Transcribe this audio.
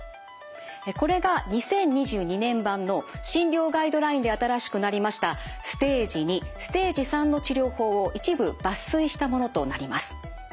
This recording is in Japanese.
これが２０２２年版の診療ガイドラインで新しくなりましたステージⅡステージⅢの治療法を一部抜粋したものとなります。